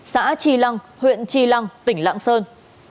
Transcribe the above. xã trì lăng huyện trì lăng tỉnh lạng sơn